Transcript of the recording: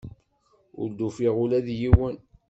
Ur d-ufiɣ ula d yiwen.